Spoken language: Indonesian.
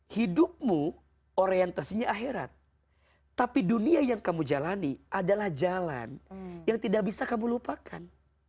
hidupmu orientasinya akhirat tapi dunia yang kamu jalani adalah jalan yang tidak bisa kamu lupakan